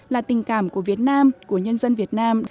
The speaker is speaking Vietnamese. là tình cảm của việt nam của nhân dân việt nam